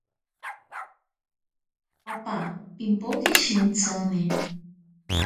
Apa pimpoke shintsini.